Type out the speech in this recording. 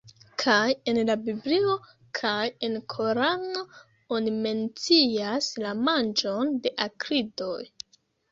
Kaj en la biblio kaj en korano oni mencias la manĝon de akridoj.